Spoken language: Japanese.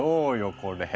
これ。